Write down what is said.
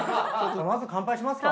まず乾杯しますか。